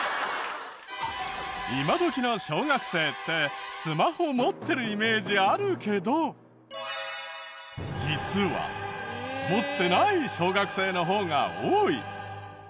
今どきの小学生ってスマホ持ってるイメージあるけど実は持ってない小学生の方が多い。